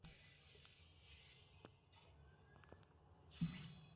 It is now owned by the Alexander family who own the entire estate.